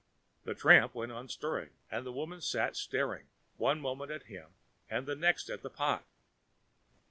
The tramp went on stirring, and the woman sat staring, one moment at him and the next at the pot.